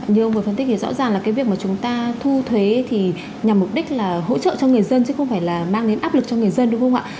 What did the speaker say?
như ông vừa phân tích thì rõ ràng là cái việc mà chúng ta thu thuế thì nhằm mục đích là hỗ trợ cho người dân chứ không phải là mang đến áp lực cho người dân đúng không ạ